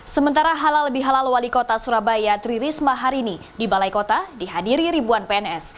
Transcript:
sementara halal bihalal wali kota surabaya tri risma hari ini di balai kota dihadiri ribuan pns